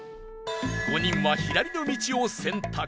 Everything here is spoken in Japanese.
５人は左の道を選択